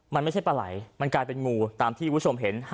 มันไม่ใช่ปลาไหล่มันกลายเป็นงูตามที่คุณผู้ชมเห็น